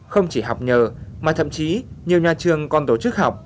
không chỉ học nhờ mà thậm chí nhiều nhà trường còn tổ chức học